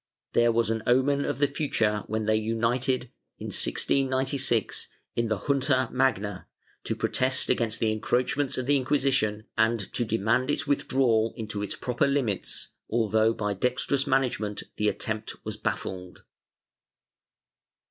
There was an omen of the future when they united, in 1696, in the Junta Magna, to protest against the encroachments of the Inquisition and to demand its with drawal into its proper limits, although by dextrous management the attempt was baffled.